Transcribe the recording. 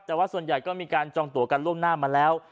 แต่ว่าส่วนใหญ่ก็มีการจองตัวกันล่วงหน้ามาแล้ว